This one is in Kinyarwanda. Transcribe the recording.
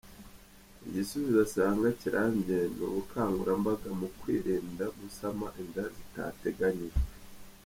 Igisubizo asanga kirambye ni ubukangurambaga mu kwirinda gusama inda zitateganyijwe.